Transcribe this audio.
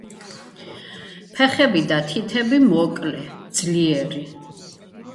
ფეხები და თითები მოკლე, ძლიერი.